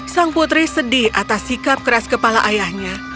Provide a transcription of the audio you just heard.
sang putri sedih atas sikap keras kepala ayahnya